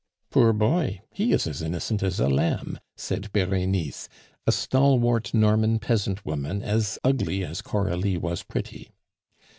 "Poor boy! He is as innocent as a lamb," said Berenice, a stalwart Norman peasant woman as ugly as Coralie was pretty.